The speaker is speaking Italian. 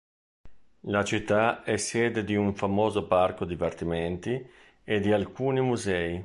La città è sede di un famoso parco divertimenti e di alcuni musei.